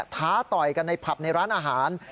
ท้าต่อยกันในผับในร้านอาหาร